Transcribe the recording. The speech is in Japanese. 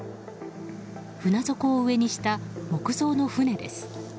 船底を上にした木造の船です。